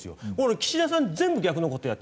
岸田さん全部逆の事やって。